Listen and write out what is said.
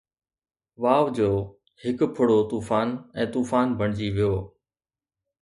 واءُ جو هڪ ڦڙو طوفان ۽ طوفان بڻجي ويو